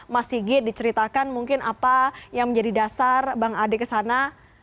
mas sigi diceritakan mungkin apa yang menjadi dasar bang ade ke sana